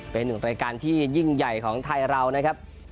เป็นหนึ่งรายการที่ยิ่งใหญ่ของไทยเรานะครับ